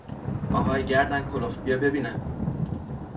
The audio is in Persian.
آهای گردن کلفت بیا ببینم!